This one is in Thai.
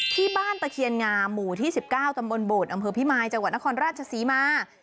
ตะเคียนงามหมู่ที่๑๙ตำบลโบดอำเภอพิมายจังหวัดนครราชศรีมา